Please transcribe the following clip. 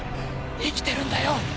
生きてるんだよ！